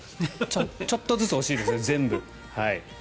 ちょっとずつ惜しいですね全部。